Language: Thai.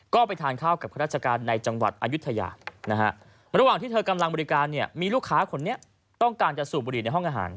ก็ไปทานข้าวกับข้าราชการในจังหวัดอายุทยานะฮะระหว่างที่เธอกำลังบริการเนี่ยมีลูกค้าคนนี้ต้องการจะสูบบุหรี่ในห้องอาหาร